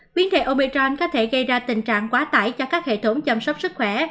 biến thể obertran có thể gây ra tình trạng quá tải cho các hệ thống chăm sóc sức khỏe